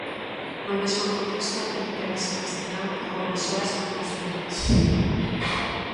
No mesmo contexto emprégase en castelán "¡A buenas horas mangas verdes!"